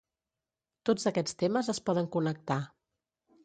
Tots aquests temes es poden connectar.